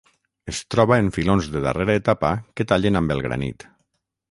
Es troba en filons de darrera etapa que tallen amb el granit.